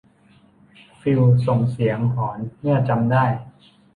ฟิลส่งเสียงหอนเมื่อจำได้